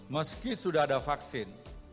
meski sudah ada vaksin